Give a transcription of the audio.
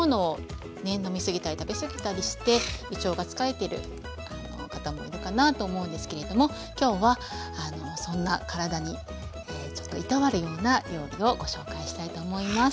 飲み過ぎたり食べ過ぎたりして胃腸が疲れている方もいるかなと思うんですけれども今日はそんな体にちょっといたわるような料理をご紹介したいと思います。